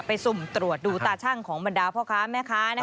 สุ่มตรวจดูตาชั่งของบรรดาพ่อค้าแม่ค้า